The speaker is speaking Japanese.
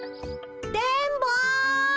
電ボ！